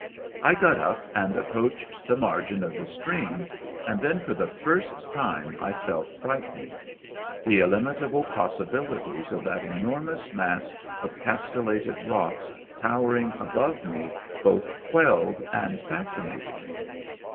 I got up and approached the margin of the stream, and then for the first time I felt frightened. The illimitable possibilities of that enormous mass of castellated rocks towering above me both quelled and fascinated me.